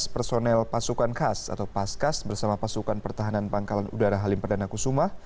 lima belas personel pasukan khas atau paskas bersama pasukan pertahanan pangkalan udara halim perdana kusuma